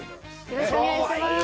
よろしくお願いします